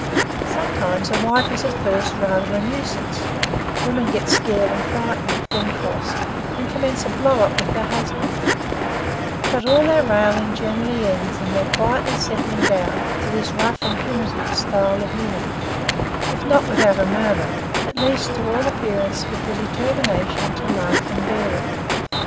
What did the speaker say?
Sometimes a wife is at first rather a nuisance; women get scared and frightened, then cross, and commence a "blow up" with their husbands; but all their railing generally ends in their quietly settling down to this rough and primitive style of living, if not without a murmur, at least to all appearance with the determination to laugh and bear it.